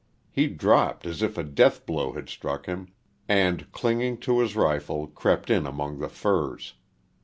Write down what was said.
He dropped as if a death blow had struck him, and, clinging to his rifle, crept in among the firs.